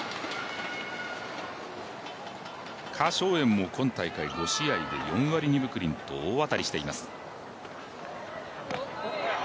何小燕も、今大会５試合で４割２分９厘と大当たりしています。